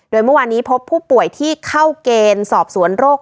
โดยเมื่อวานนี้พบผู้ป่วยที่เข้าเกณฑ์สอบสวนโรค